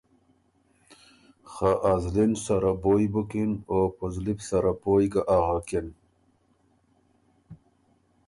خه ا زلی ن سره بویٛ بُکِن او په زلی بو سره پویٛ ګه اغکِن۔